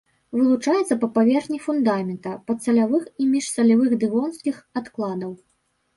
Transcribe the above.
Вылучаецца па паверхні фундамента, падсалявых і міжсалявых дэвонскіх адкладаў.